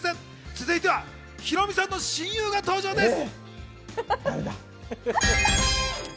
続いてはヒロミさんの親友が登場です。